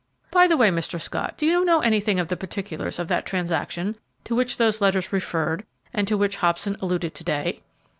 By the way, Mr. Scott, do you know anything of the particulars of that transaction to which those letters referred and to which Hobson alluded to day?"